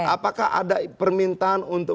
apakah ada permintaan untuk